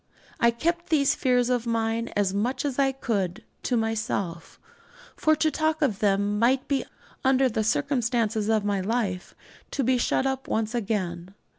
I kept these fears of mine as much as I could to myself; for to talk of them might be, under the circumstances of my life, to be shut up at once again.